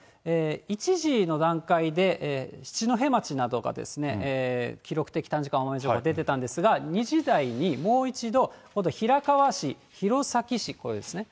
１時の段階で、七戸町などが記録的短時間大雨情報が出てたんですが、２時台にもう一度、今度ひらかわ市、弘前市、これですね。